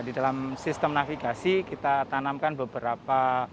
di dalam sistem navigasi kita tanamkan beberapa